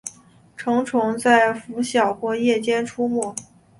成虫在拂晓或夜间出没。